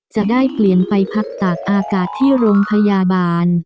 จะได้เปลี่ยนไปพักตากอากาศที่โรงพยาบาล